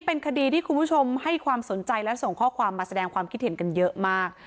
เป็นคดีที่คุณผู้ชมให้ความสนใจและส่งข้อความมาแสดงความคิดเห็นกันเยอะมาก